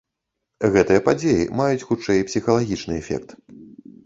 Гэтыя падзеі маюць хутчэй псіхалагічны эфект.